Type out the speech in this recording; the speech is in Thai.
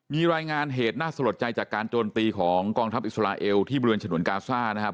มีรายงานเหตุน่าสลดใจจากการโจมตีของกองทัพอิสราเอลที่บริเวณฉนวนกาซ่านะครับ